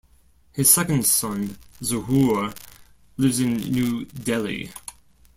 His second son, Zahoor, lives in New Delhi.